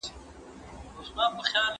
ټولنې تر اوسه عدالت لیدلی دی.